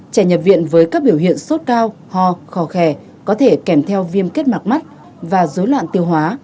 trẻ nhập viện với các biểu hiện sốt cao ho khó khè có thể kèm theo viêm kết mạc mắt và dối loạn tiêu hóa